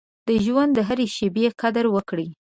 د ژوند د هرې شېبې قدر وکړئ.